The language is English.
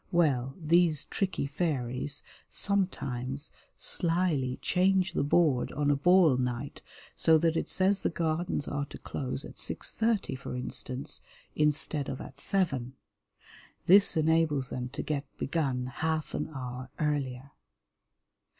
Well, these tricky fairies sometimes slyly change the board on a ball night, so that it says the Gardens are to close at six thirty for instance, instead of at seven. This enables them to get begun half an hour earlier.